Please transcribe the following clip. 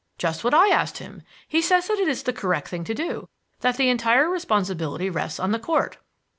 "Just what I asked him. He says that it is the correct thing to do; that the entire responsibility rests on the Court."